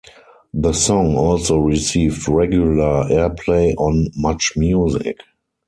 The song also received regular airplay on MuchMusic.